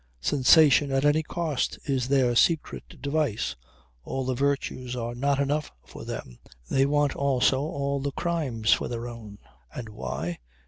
"Sensation at any cost," is their secret device. All the virtues are not enough for them; they want also all the crimes for their own. And why?